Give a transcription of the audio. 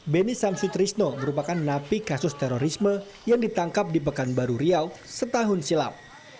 beni samsutrisno merupakan napi kasus terorisme yang ditangkap di pekanbaru riau setahun silam